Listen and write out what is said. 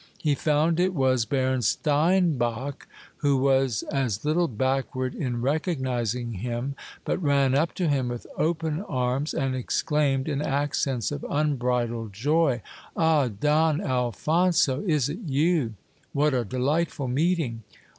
He found it was Baron Steinbach, who was as little backward in re cognizing him, but ran up to him with open arms, and exclaimed, in accents of unbridled joy — Ah, Don Alphonso ! is it you ? What a delightful meeting